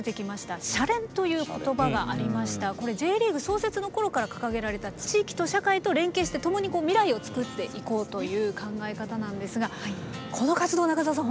これＪリーグ創設の頃から掲げられた地域と社会と連携して共に未来を作っていこうという考え方なんですがこの活動中澤さん